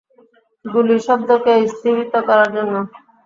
গুলির শব্দকে স্তিমিত করার জন্য!